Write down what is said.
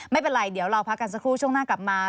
ไม่เป็นไรเดี๋ยวเราพักกันสักครู่ช่วงหน้ากลับมา